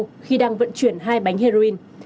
lai châu khi đang vận chuyển hai bánh heroin